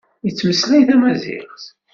Yettmeslay tamaziɣt?